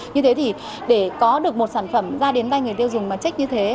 như thế thì để có được một sản phẩm ra đến tay người tiêu dùng mà trách như thế